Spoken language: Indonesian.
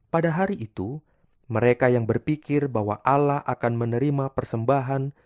pada hari itu mereka yang berpikir bahwa allah akan menerima persembahan